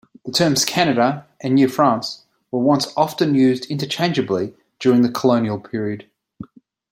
The terms "Canada" and "New France" were often used interchangeably during the colonial period.